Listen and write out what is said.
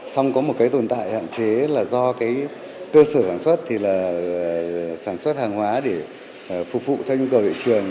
xong có một tồn tại hạn chế là do cơ sở sản xuất hàng hóa để phục vụ theo nhu cầu thị trường